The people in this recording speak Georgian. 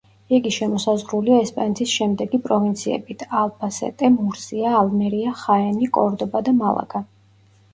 იგი შემოსაზღვრულია ესპანეთის შემდეგი პროვინციებით: ალბასეტე, მურსია, ალმერია, ხაენი, კორდობა და მალაგა.